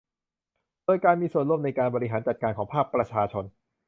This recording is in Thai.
โดยการมีส่วนร่วมในการบริหารจัดการของภาคประชาชน